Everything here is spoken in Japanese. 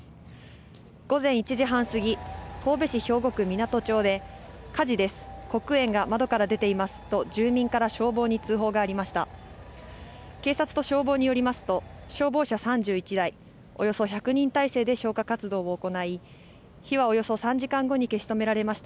午前１時半すぎ、神戸市兵庫区湊町で火事です、黒煙が窓から出ていますと住民から消防に通補がありました。